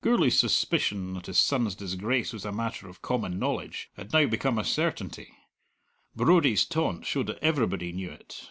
Gourlay's suspicion that his son's disgrace was a matter of common knowledge had now become a certainty. Brodie's taunt showed that everybody knew it.